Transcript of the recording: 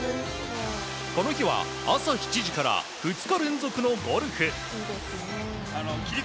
この日は朝７時から２日連続のゴルフ。